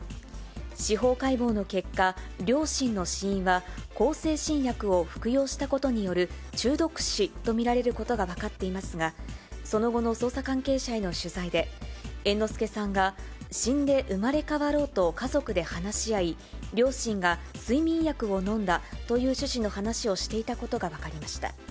司法解剖の結果、両親の死因は、向精神薬を服用したことによる中毒死と見られることが分かっていますが、その後の捜査関係者への取材で、猿之助さんが死んで生まれ変わろうと家族で話し合い、両親が睡眠薬をのんだという趣旨の話をしていたことが分かりました。